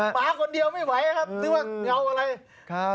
หมาคนเดียวไม่ไหวครับนึกว่าเหมือนกับเงาอะไร